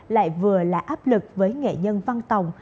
lại vừa là áp lực với nghệ nhân văn tòng